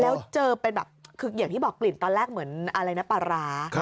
แล้วเจอเป็นแบบคืออย่างที่บอกกลิ่นตอนแรกเหมือนอะไรนะปลาร้า